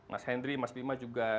mas henry mas bima juga